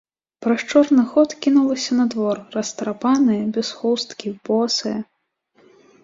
Праз чорны ход кінулася на двор, растрапаная, без хусткі, босая.